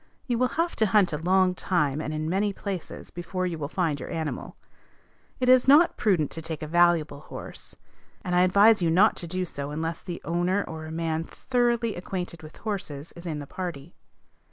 You will have to hunt a long time, and in many places, before you will find your animal. It is not prudent to take a valuable horse, and I advise you not to do so unless the owner or a man thoroughly acquainted with horses is in the party.